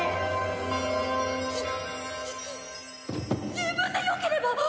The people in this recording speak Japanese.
自分でよければ！